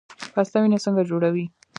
پسته وینه څنګه جوړوي؟